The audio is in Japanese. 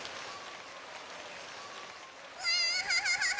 うわアハハハハ！